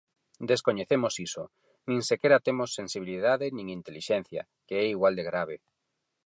Descoñecemos iso, nin sequera temos sensibilidade nin intelixencia, que é igual de grave.